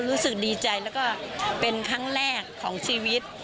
รู้สึกดีใจแล้วก็เป็นครั้งแรกของชีวิต